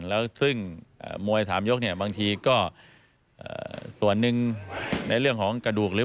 แล้วซึ่งมวยสามยกเนี่ยบางทีก็ส่วนหนึ่งในเรื่องของกระดูกหรือ